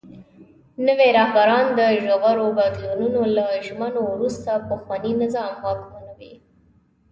نوي رهبران د ژورو بدلونونو له ژمنو وروسته پخواني نظام واکمنوي.